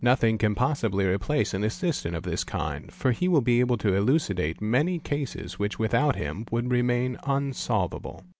Nothing can possibly replace an assistant of this kind, for he will be able to elucidate many cases which without him would remain unsolvable.